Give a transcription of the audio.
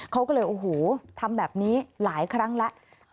เขาก็เลยโอ้โหทำแบบนี้หลายครั้งแล้ว